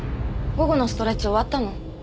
午後のストレッチ終わったの？